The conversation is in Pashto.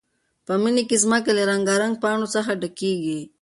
په مني کې ځمکه له رنګارنګ پاڼو څخه ډکېږي.